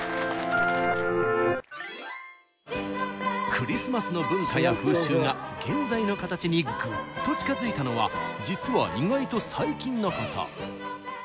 クリスマスの文化や風習が現在の形にぐっと近づいたのは実は意外と最近のこと！